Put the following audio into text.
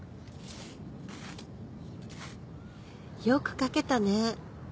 よく書けたね